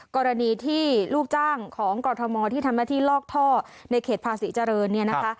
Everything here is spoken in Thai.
กรณีที่ลูกจ้างของกรทมที่ทำหน้าที่ลอกท่อในเขตภาษีเจริญเนี่ยนะคะ